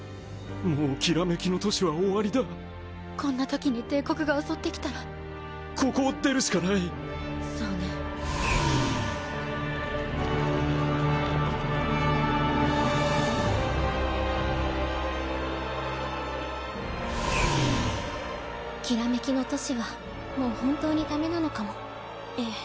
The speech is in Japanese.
もう煌めきの都市は終わりだこんなときに帝国が襲ってきたらここを出るしかないそうね煌めきの都市はもう本当にダメなのかええ。